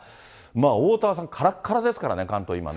おおたわさん、からっからですからね、関東、今ね。